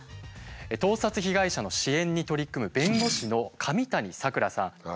盗撮被害者の支援に取り組む弁護士の上谷さくらさん。